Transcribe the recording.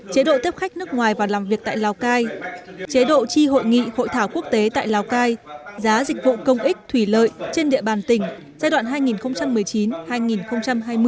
chế độ tiếp khách nước ngoài vào làm việc tại lào cai chế độ chi hội nghị hội thảo quốc tế tại lào cai giá dịch vụ công ích thủy lợi trên địa bàn tỉnh giai đoạn hai nghìn một mươi chín hai nghìn hai mươi